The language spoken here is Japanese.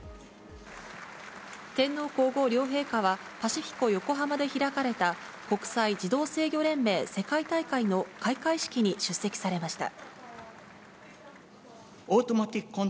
天皇皇后両陛下は、パシフィコ横浜で開かれた国際自動制御連盟世界大会の開会式に出席されました。